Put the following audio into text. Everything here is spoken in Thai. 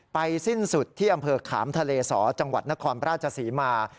สิ้นสุดที่อำเภอขามทะเลสอจังหวัดนครราชศรีมา